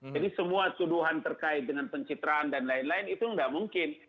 jadi semua tuduhan terkait dengan pencitraan dan lain lain itu tidak mungkin